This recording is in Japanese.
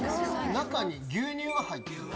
中に牛乳が入ってるの？